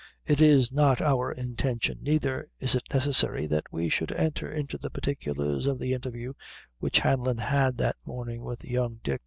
It is not our intention, neither is it necessary that we should enter into the particulars of the interview which Hanlon had that morning with young Dick.